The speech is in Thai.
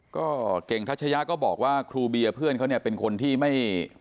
ก็เก่งทัชยะก็บอกว่าครูเบียร์เพื่อนเขาเนี่ยเป็นคนที่ไม่